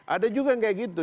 ada juga yang kayak gitu